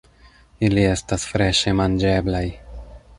Ili estas freŝe manĝeblaj.